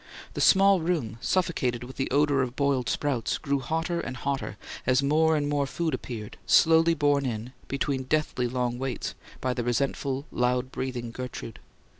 The small room, suffocated with the odour of boiled sprouts, grew hotter and hotter as more and more food appeared, slowly borne in, between deathly long waits, by the resentful, loud breathing Gertrude.